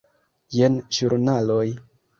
Jen ĵurnaloj.